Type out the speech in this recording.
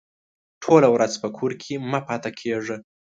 ټوله ورځ په کور کې مه پاته کېږه!